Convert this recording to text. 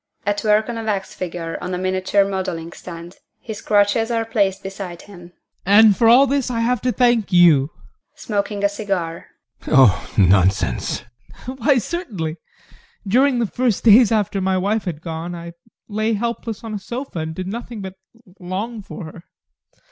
ADOLPH. [At work on a wax figure on a miniature modelling stand; his crutches are placed beside him] and for all this I have to thank you! GUSTAV. [Smoking a cigar] Oh, nonsense! ADOLPH. Why, certainly! During the first days after my wife had gone, I lay helpless on a sofa and did nothing but long for her.